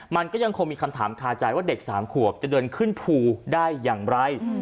มันก็ยังคงมีคำถามคาใจว่าเด็ก๓ขวบจะเดินขึ้นภูได้อย่างไร